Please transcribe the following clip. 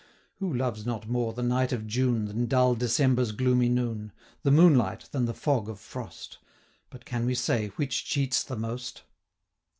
Who loves not more the night of June Than dull December's gloomy noon? The moonlight than the fog of frost? 135 But can we say, which cheats the most?